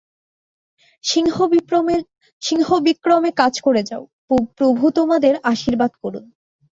সিংহবিক্রমে কাজ করে যাও, প্রভু তোমাদের আশীর্বাদ করুন।